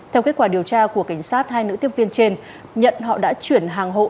theo kết quả điều tra của cảnh sát hai nữ tiếp viên trên nhận họ đã chuyển hàng hộ